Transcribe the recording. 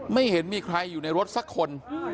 ไม่เห็นมีใครอยู่ในรถสักคน